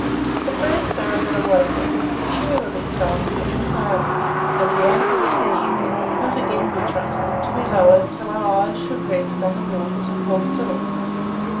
The first sound that awoke me was the "cheerily" song of the sailors, as the anchor was heaved not again, we trusted, to be lowered till our eyes should rest on the waters of Port Philip.